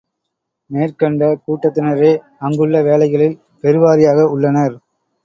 மேற்கண்ட கூட்டத்தினரே அங்குள்ள வேலைகளில் பெருவாரியாக உள்ளனர்.